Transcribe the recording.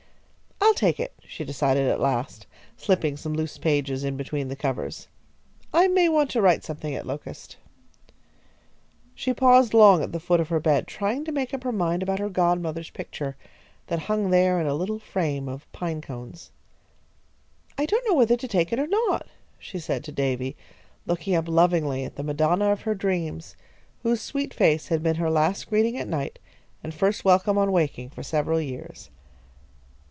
"I'll take it," she decided at last, slipping some loose pages in between the covers. "I may want to write something at Locust." She paused long at the foot of her bed, trying to make up her mind about her godmother's picture, that hung there in a little frame of pine cones. "I don't know whether to take it or not," she said to Davy, looking up lovingly at the Madonna of her dreams, whose sweet face had been her last greeting at night, and first welcome on waking, for several years.